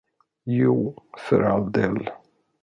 Jo, för all del.